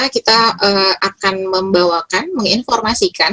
kita akan membawakan menginformasikan